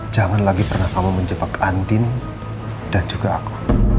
jangan lagi pernah kamu menjebak andin dan juga aku